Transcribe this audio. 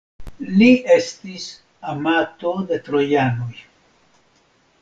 Li estis amato de trojanoj.